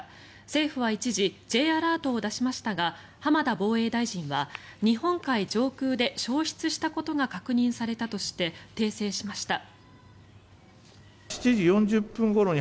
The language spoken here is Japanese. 政府は一時、Ｊアラートを出しましたが浜田防衛大臣は日本海上空で消失したことが確認されたとして訂正しました。